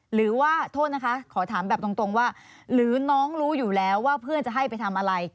หรือว่าโทษนะคะขอถามแบบตรงว่าหรือน้องรู้อยู่แล้วว่าเพื่อนจะให้ไปทำอะไร